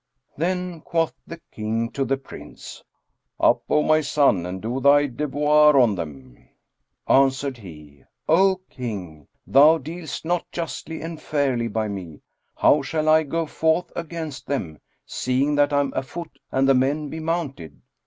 Then quoth the King to the Prince, "Up, O my son, and do thy devoir on them." Answered he, "O King, thou dealest not justly and fairly by me: how shall I go forth against them, seeing that I am afoot and the men be mounted?"